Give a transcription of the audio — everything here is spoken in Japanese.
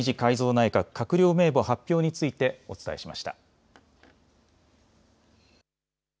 内閣閣僚名簿発表についてお伝えしました。